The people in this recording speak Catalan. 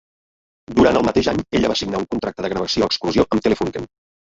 Durant el mateix any, ella va signar un contracte de gravació exclusió amb Telefunken.